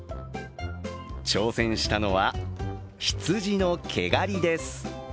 挑戦したのは、ひつじの毛刈りです。